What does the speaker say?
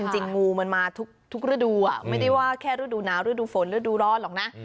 จริงงูมันมาทุกฤดูไม่ได้ว่าแค่ฤดูหนาวฤดูฝนฤดูร้อนหรอกนะ